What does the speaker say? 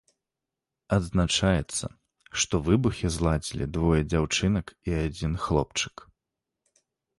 Адзначаецца, што выбухі зладзілі двое дзяўчынак і адзін хлопчык.